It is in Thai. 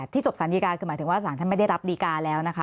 จบสารดีการคือหมายถึงว่าสารท่านไม่ได้รับดีการแล้วนะคะ